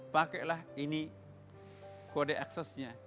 pakailah ini kode aksesnya